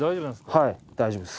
はい大丈夫です。